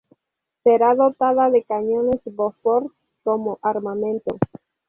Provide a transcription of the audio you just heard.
Será dotada de cañones Bofors como armamento.